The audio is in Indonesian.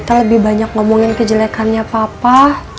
kita lebih banyak ngomongin kejelekannya papa